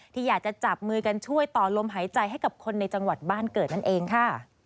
ที่อยากจะจับมือกันช่วยต่อลมหายใจให้กับคนในจังหวัดบ้านเกิดนั่นเองค่ะ